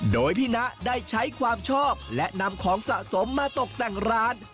โดยพี่นะได้ใช้ความชอบและนำของสะสมมาตกแต่งร้าน